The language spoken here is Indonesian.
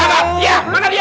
tidak ada mana dia